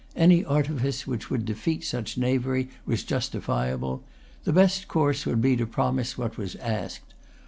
Any artifice which would defeat such knavery was justifiable. The best course would be to promise what was asked.